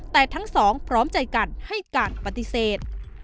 แต่ทั้งสองพร้อมใจกันให้การปฏิเสธ